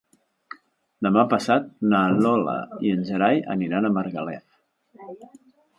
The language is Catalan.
Demà passat na Lola i en Gerai aniran a Margalef.